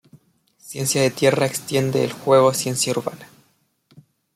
Ciencia de tierra extiende el juego Ciencia Urbana.